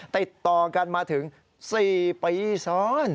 ติดต่อกันมาถึง๔ปีซ้อน